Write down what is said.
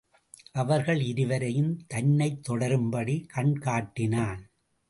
அவர்கள் இருவரையும் தன்னைத் தொடரும்படி கண் காட்டினான்.